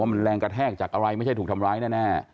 มันแรงกระแทกจากอะไรไม่ใช่ถูกทำร้ายแน่